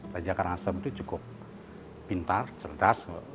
raja karangasem itu cukup pintar cerdas